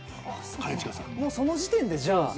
その時点でじゃあ。